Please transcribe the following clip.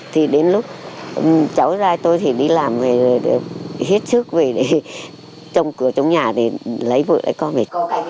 thì đến lúc cháu ra tôi thì đi làm rồi thiết sức về trong cửa trong nhà lấy vợ lấy con về